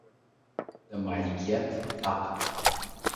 د مالکیت حق